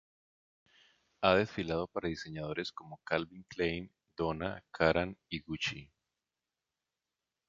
Ha desfilado para diseñadores como Calvin Klein, Donna Karan, y Gucci.